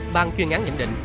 ban chuyên án nhận định